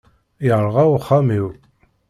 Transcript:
Yerɣa uxxam-iw.